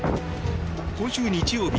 今週日曜日